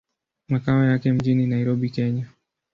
Makao yake mjini Nairobi, Kenya.